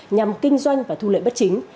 nhằm kinh doanh và thu lợi bất chính